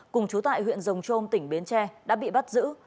cùng chú tại huyện rồng trôm tỉnh bến tre đã bị bắt giữ